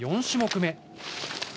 ４種目め。